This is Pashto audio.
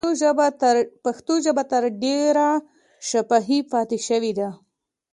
پښتو ژبه تر ډېره شفاهي پاتې شوې ده.